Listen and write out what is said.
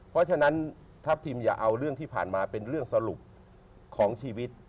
เพราะฉะนั้นทัพทิมอย่าเอาเรื่องที่ผ่านมาเป็นเรื่องสรุปของชีวิต